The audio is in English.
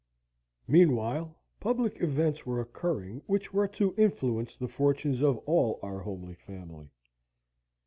Meanwhile, public events were occurring which were to influence the fortunes of all our homely family.